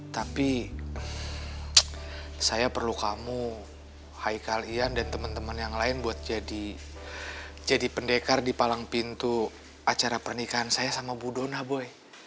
tapi saya perlu kamu hai kalian dan teman teman yang lain buat jadi pendekar di palang pintu acara pernikahan saya sama bu dona boy